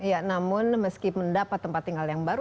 ya namun meski mendapat tempat tinggal yang baru